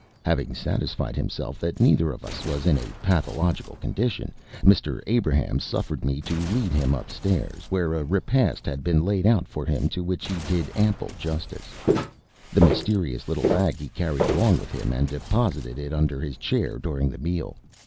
Having satisfied himself that neither of us was in a pathological condition, Mr. Abrahams suffered me to lead him upstairs, where a repast had been laid out for him to which he did ample justice. The mysterious little bag he carried along with him, and deposited it under his chair during the meal.